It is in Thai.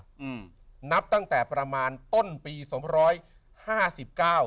อืมนับตั้งแต่ประมาณต้นปีสองร้อยห้าสิบเก้า